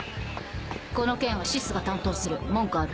この件はＳＩＳが担当する文句ある？